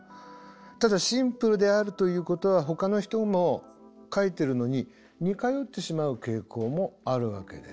ただシンプルであるということはほかの人も書いてるのに似通ってしまう傾向もあるわけです。